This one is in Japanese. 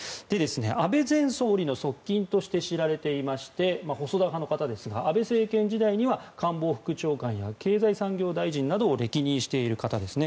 安倍前総理の側近として知られていまして細田派の方ですが安倍政権時代には官房副長官や経済産業大臣などを歴任している方ですね。